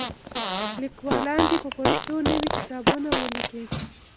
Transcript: لیکوالان دې په پښتو نوي کتابونه ولیکي.